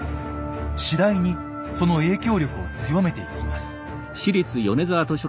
次第にその影響力を強めていきます。